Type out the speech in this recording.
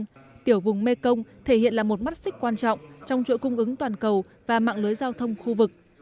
tuy nhiên tiểu vùng mekong thể hiện là một mắt xích quan trọng trong chuỗi cung ứng toàn cầu và mạng lưới giao thông khu vực